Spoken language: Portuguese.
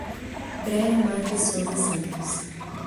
Bryama de Souza Santos